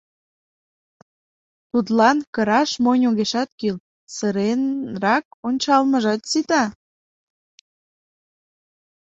Тудлан кыраш монь огешат кӱл, сыренрак ончалмыжат ситен.